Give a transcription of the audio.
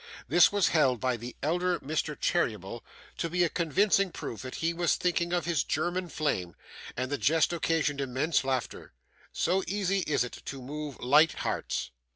This was held by the elder Mr Cheeryble to be a convincing proof that he was thinking of his German flame, and the jest occasioned immense laughter. So easy is it to move light hearts.